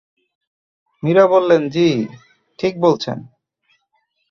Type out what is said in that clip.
মীরা বললেন, জ্বি, ঠিক বলছেন।